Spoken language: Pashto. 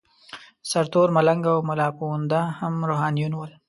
سرتور ملنګ او ملاپوونده هم روحانیون ول.